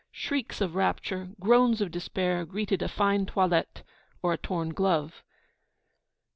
Shrieks of rapture, groans of despair, greeted a fine toilette or a torn glove.